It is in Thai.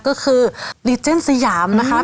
ก็คือดีเจนสยามนะคะ